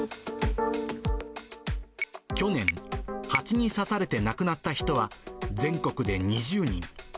去年、ハチに刺されて亡くなった人は、全国で２０人。